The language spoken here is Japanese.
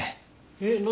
えっ何？